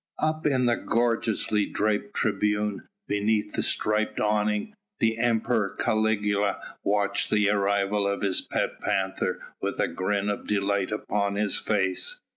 Up in the gorgeously draped tribune, beneath the striped awning, the Emperor Caligula watched the arrival of his pet panther with a grin of delight upon his face.